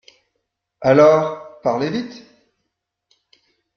Alors, parlez vite.